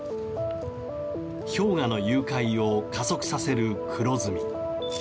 氷河の融解を加速させる黒ずみ。